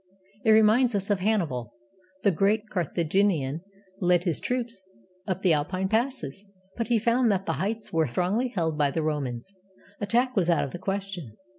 It reminds us of Hannibal. The great Carthaginian led his troops up the Alpine passes, but he found that the heights were strongly held by the Romans. Attack was out of the question.